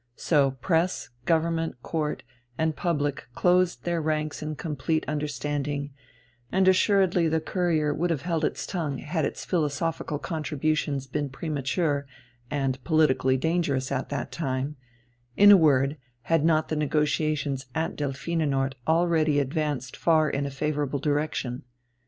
So press, Government, Court, and public closed their ranks in complete understanding, and assuredly the Courier would have held its tongue had its philosophical contributions been premature and politically dangerous at that time in a word, had not the negotiations at Delphinenort already advanced far in a favourable direction.